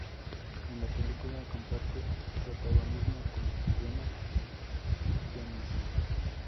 En la película comparte protagonismo con Jenna Jameson.